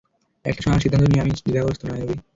একটা সময় আমার সিদ্ধান্ত নিয়ে আমি দ্বিধাগ্রস্থ, নাইয়োবি।